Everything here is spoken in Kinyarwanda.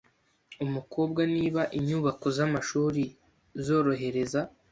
umukobwa niba inyubako z amashuri zorohereza